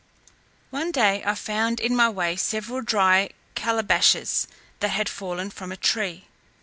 One day I found in my way several dry calebashes that had fallen from a tree.